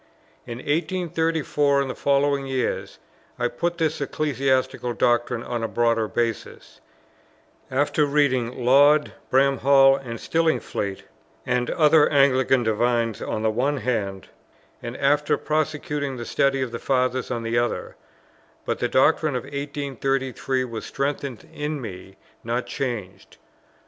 In 1834 and the following years I put this ecclesiastical doctrine on a broader basis, after reading Laud, Bramhall, and Stillingfleet and other Anglican divines on the one hand, and after prosecuting the study of the Fathers on the other; but the doctrine of 1833 was strengthened in me, not changed.